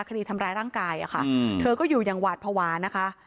คดีทำร้ายร่างกายค่ะเธอก็อยู่อย่างหวาดภาวะนะคะ